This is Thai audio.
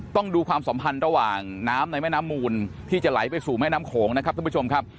ต้องดูความสัมพันธ์ระหว่างน้ำในแม่น้ำมูลที่จะไหลไปสู่แม่น้ำโขงนะครับท่านผู้ชมครับ